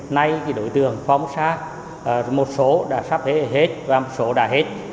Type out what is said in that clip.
nay đối tượng phòng xa một số đã sắp hết và một số đã hết